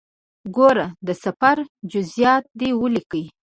ګوره د سفر جزئیات دې ولیکې.